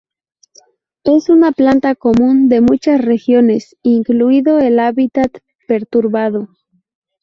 Es una planta común de muchas regiones, incluido el hábitat perturbado.